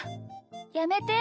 やめて。